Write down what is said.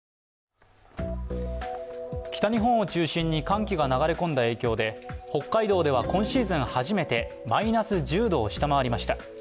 北日本を中心に寒気が流れ込んだ影響で北海道では今シーズン初めてマイナス１０度を下回りました。